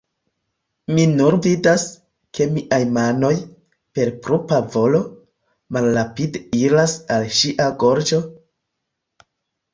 Mi nur vidas, ke miaj manoj, per propra volo, malrapide iras al ŝia gorĝo...